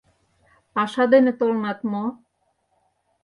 — Паша дене толынат мо?